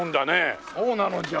そうなのじゃ。